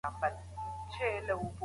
د زکات په نظام کي بریا ده.